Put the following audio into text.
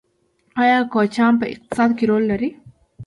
آیا کوچیان په اقتصاد کې رول لري؟